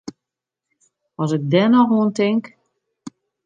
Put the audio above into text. As ik dêr noch oan tink!